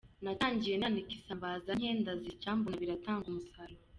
Natangiye nanika isambaza nke ndazisya mbona biratanga umusaruro.